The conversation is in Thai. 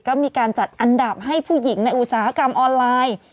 ก็มีการจัดอันดับให้ผู้หญิงในอุตสาหกรรมออนไลน์